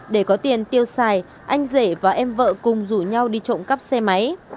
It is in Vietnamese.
để có tiền tiêu xài anh rể và em vợ cùng rủ nhau đi trộm cắp xe máy